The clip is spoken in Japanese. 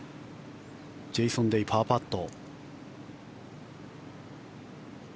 ジェイソン・デイ、パーパット。